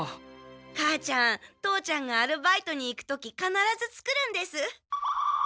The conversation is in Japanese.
母ちゃん父ちゃんがアルバイトに行く時かならず作るんです。